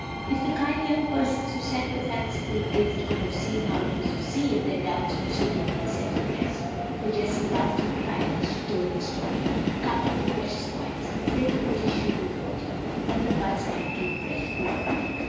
If the kind young persons who sent the fanciful gift could have seen how it was received, their doubts would soon have been set at rest; for Jessie laughed and cried as she told the story, counted the precious coins, and filled the pretty shoe with water that the buds might keep fresh for Laura.